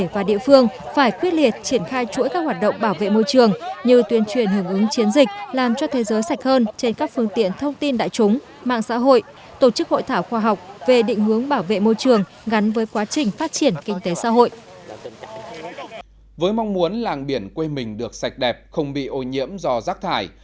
với mong muốn làng biển quê mình được sạch đẹp không bị ô nhiễm do rác thải